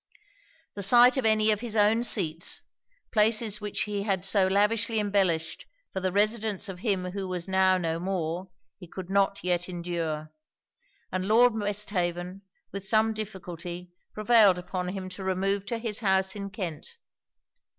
The sight of any of his own seats; places which he had so lavishly embellished for the residence of him who was now no more, he could not yet endure; and Lord Westhaven with some difficulty prevailed upon him to remove to his house in Kent.